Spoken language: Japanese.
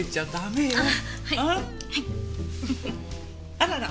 あらら！